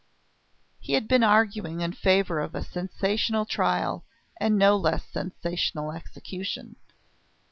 He had been arguing in favour of a sensational trial and no less sensational execution.